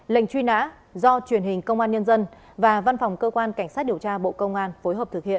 lệnh truy nã do truyền hình công an nhân dân và văn phòng cơ quan cảnh sát điều tra bộ công an phối hợp thực hiện